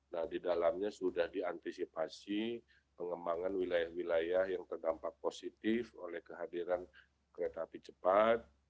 nah di dalamnya sudah diantisipasi pengembangan wilayah wilayah yang terdampak positif oleh kehadiran kereta api cepat